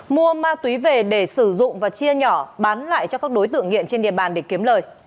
mua ma túy về để sử dụng và chia nhỏ bán lại cho các đối tượng nghiện trên địa bàn để kiếm lời